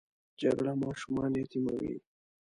جګړه ماشومان یتیموي